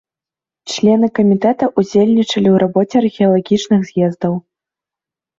Члены камітэта ўдзельнічалі ў рабоце археалагічных з'ездаў.